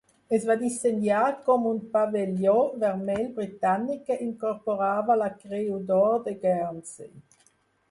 Es va dissenyar com un pavelló vermell britànic que incorporava la creu d'or de Guernsey.